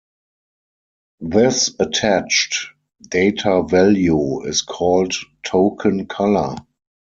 This attached data value is called token color.